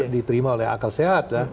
diterima oleh akal sehat